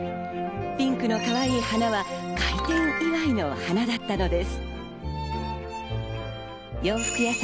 ピンクのかわいい花は開店祝いの花だったのです。